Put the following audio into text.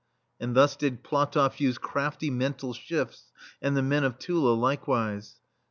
And thus did PlatofFuse crafty mental shifts, and the men of Tula likewise.